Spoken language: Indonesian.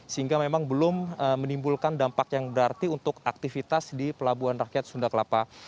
sehingga memang belum menimbulkan dampak yang berarti untuk aktivitas di pelabuhan rakyat sunda kelapa